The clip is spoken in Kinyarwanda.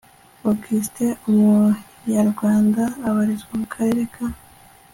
Augustin umuyarwanda ubarizwa mu Karere ka